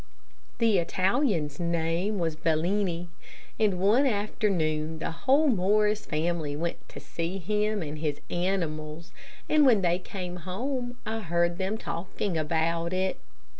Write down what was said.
The Italian's name was Bellini, and one afternoon the whole Morris family went to see him and his animals, and when they came home, I heard them talking about it.